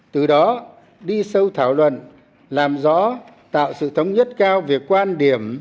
từ đó đi sâu thảo luận làm rõ tạo sự thống nhất cao về quan điểm